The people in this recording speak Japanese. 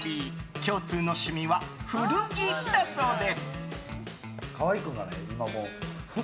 共通の趣味は古着だそうで。